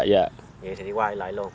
vậy thì đi qua lại luôn